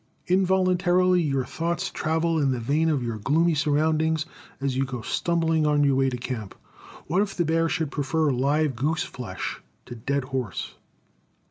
Involuntarily your thoughts travel in the vein of your gloomy surroundings as you go stumbling on your way to camp: what if the bear should prefer live goose flesh to dead horse?